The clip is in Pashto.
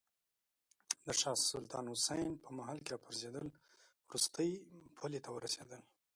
د شاه سلطان حسین په مهال کې راپرزېدل وروستۍ پولې ته ورسېدل.